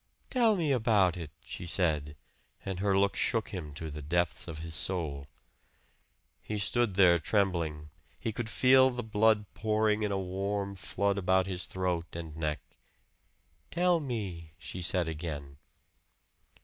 "Tell me about it," she said, and her look shook him to the depths of his soul. He stood there, trembling; he could feel the blood pouring in a warm flood about his throat and neck. "Tell me," she said again.